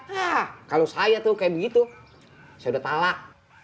nah kalo saya tuh kayak begitu saya udah talak